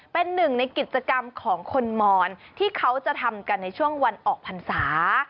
เป็นหนึ่งในกิจกรรมของคนมอนที่เขาจะทำกันในช่วงวันออกพรรษา